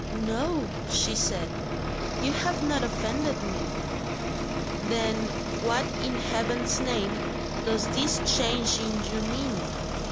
"No," she said, "you have not offended me." "Then what in Heaven's name does this change in you mean?"